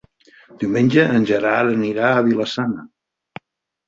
Diumenge en Gerard anirà a Vila-sana.